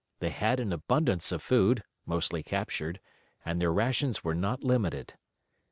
They had an abundance of food, mostly captured, and their rations were not limited.